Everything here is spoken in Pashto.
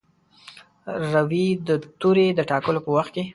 روي د توري د ټاکلو په وخت کې.